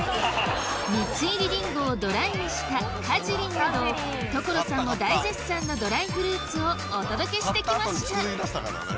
蜜入りりんごをドライにしたかじりんなど所さんも大絶賛のドライフルーツをお届けしてきました